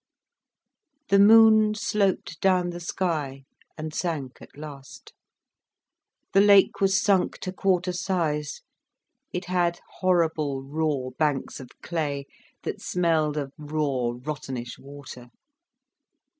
The moon sloped down the sky and sank at last. The lake was sunk to quarter size, it had horrible raw banks of clay, that smelled of raw rottenish water.